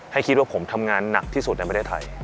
ให้คิดว่าผมทำงานหนักที่สุดในประเทศไทย